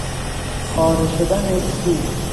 پاره شدن سیم